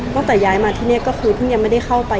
ตั้งแต่ย้ายมาที่นี่ก็คือเพิ่งยังไม่ได้เข้าไป